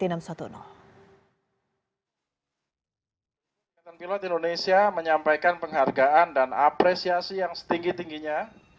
ikatan pilot indonesia menyampaikan penghargaan dan apresiasi yang setinggi tingginya